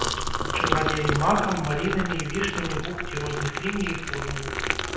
Чырванелі макам, малінамі і вішнямі губкі розных ліній і формаў.